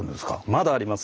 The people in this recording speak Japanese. まだあります。